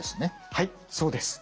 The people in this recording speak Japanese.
はいそうです。